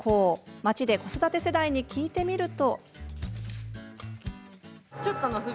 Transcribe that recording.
街で子育て世代に聞いてみると。